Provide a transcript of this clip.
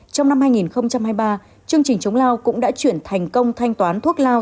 trong năm hai nghìn hai mươi ba chương trình chống lao cũng đã chuyển thành công thanh toán thuốc lao